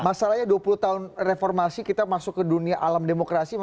masalahnya dua puluh tahun reformasi kita masuk ke dunia alam demokrasi